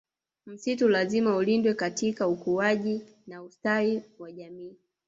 Msitu lazima ulindwe katika ukuaji na ustawi wa jamii